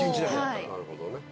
なるほどね。